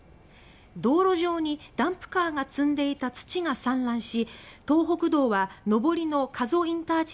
道路上にダンプカーが積んでいた土が散乱し